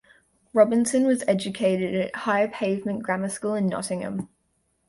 Robinson was educated at High Pavement Grammar School in Nottingham.